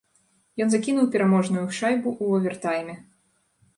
Ён закінуў пераможную шайбу ў овертайме.